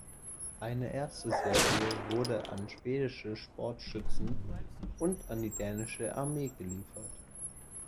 Eine erste Serie wurde an schwedische Sportschützen und an die dänische Armee geliefert.